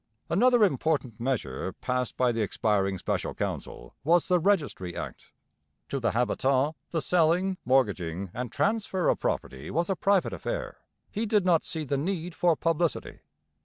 Another important measure passed by the expiring Special Council was the Registry Act. To the habitant the selling, mortgaging, and transfer of property was a private affair; he did not see the need for publicity.